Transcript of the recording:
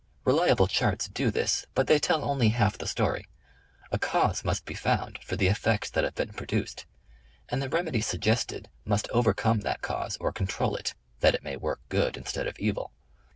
Reliable charts do this, but they tell only half the story. A cause must be found for the effects that have been produced, and the remedy suggested must overcome that cause or control it, that it may work good instead of evil.